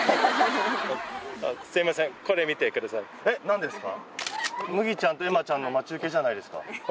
えっ何ですか？